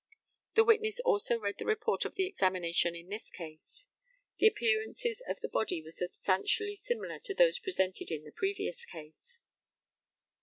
[The witness also read the report of the examination in this case. The appearances of the body were substantially similar to those presented in the previous case.